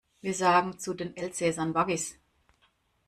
Wir sagen zu den Elsässern Waggis.